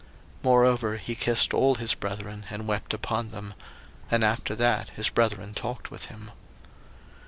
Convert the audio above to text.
01:045:015 Moreover he kissed all his brethren, and wept upon them: and after that his brethren talked with him.